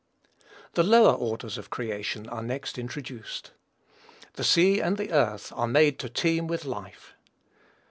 The lower orders of creation are next introduced. The sea and the earth are made to teem with life.